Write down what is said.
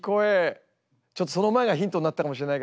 ちょっとその前がヒントになってたかもしれないけど。